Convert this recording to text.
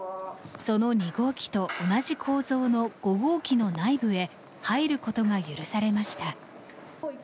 その２号機と同じ構造の５号機の内部へ入ることが許されました。